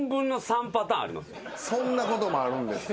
そんなこともあるんです。